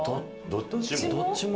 どっちも？